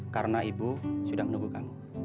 karena ibu sudah menunggu kamu